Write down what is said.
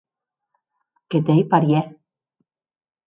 Que t’ei parièr.